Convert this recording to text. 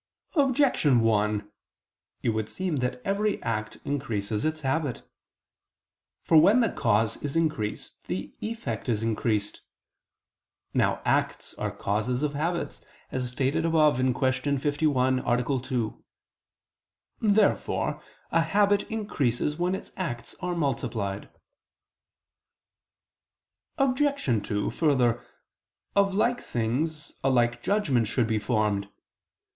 Objection 1: It would seem that every act increases its habit. For when the cause is increased the effect is increased. Now acts are causes of habits, as stated above (Q. 51, A. 2). Therefore a habit increases when its acts are multiplied. Obj. 2: Further, of like things a like judgment should be formed.